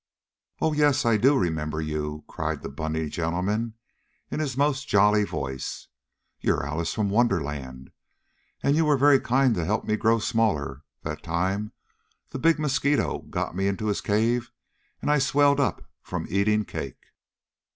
"Oh, yes, I do remember you!" cried the bunny gentleman, in his most jolly voice. "You're Alice from Wonderland, and you were very kind to help me grow smaller that time the big mosquito got me into his cave and I swelled up from eating cake."